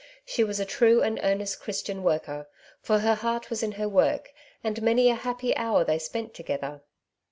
She was a true and earnest Chris tian worker, for her heart was in her work j and many a happy hour they spent together.